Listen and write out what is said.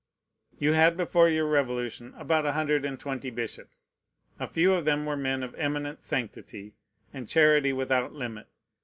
You had before your Revolution about a hundred and twenty bishops. A few of them were men of eminent sanctity, and charity without limit.